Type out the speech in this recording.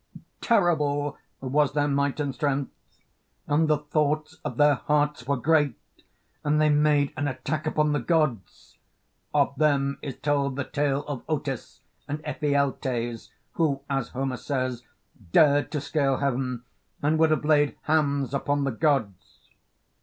Terrible was their might and strength, and the thoughts of their hearts were great, and they made an attack upon the gods; of them is told the tale of Otys and Ephialtes who, as Homer says, dared to scale heaven, and would have laid hands upon the gods.